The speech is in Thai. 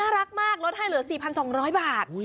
รักมากลดให้เหลือ๔๒๐๐บาท